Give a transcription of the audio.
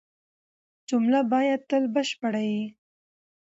جمله باید تل بشپړه يي.